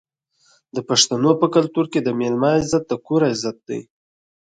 د پښتنو په کلتور کې د میلمه عزت د کور عزت دی.